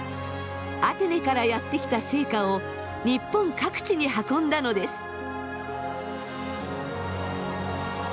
アテネからやって来た聖火を日本各地に運んだのです。